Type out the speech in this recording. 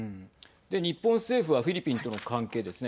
日本政府はフィリピンとの関係ですね